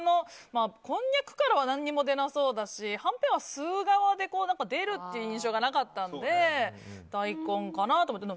こんにゃくからは何も出なそうだしはんぺんは吸う側で出る印象がなかったので大根かなと思って。